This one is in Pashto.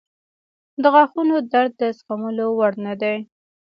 • د غاښونو درد د زغملو وړ نه دی.